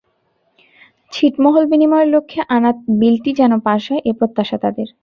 ছিটমহল বিনিময়ের লক্ষ্যে আনা বিলটি যেন পাস হয়, এ প্রত্যাশা তাঁদের।